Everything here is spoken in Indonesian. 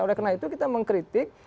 oleh karena itu kita mengkritik